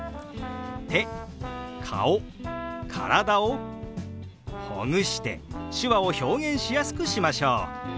手顔体をほぐして手話を表現しやすくしましょう。